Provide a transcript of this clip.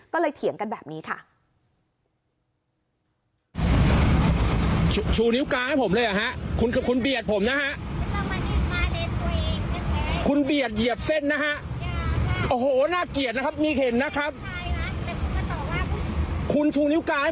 ก็เลยเถียงกันแบบนี้ค่ะ